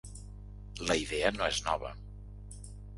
La idea no és nova.